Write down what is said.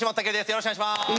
よろしくお願いします。